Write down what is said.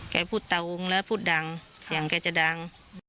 แกพูดเตางแล้วพูดดังเสียงแกจะดัง